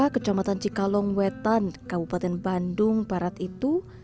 kecamatan cikalongwetan kabupaten bandung barat itu